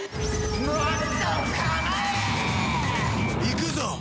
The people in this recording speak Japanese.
いくぞ！